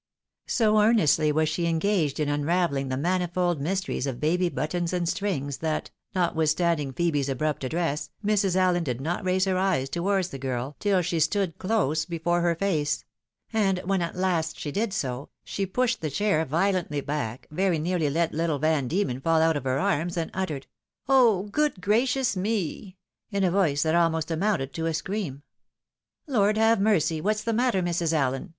So earnestly was she engaged in unraveUing the manifold mysteries of baby buttons and strings^ that, notwithstanding Phebe's abrupt address, Mrs. AUen did not raise her eyes towards the girl, till she stood close before her face ; and when at last she did so, she pushed the chair violently back, very nearly let little Van Diemen fall out of her arms, and uttered, " Oh ! good gracious me!" in a voice that almost amounted to a scream. " Lord have mercy ! what's the matter, Mrs. Allen